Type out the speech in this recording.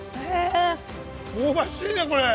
香ばしいね、これ。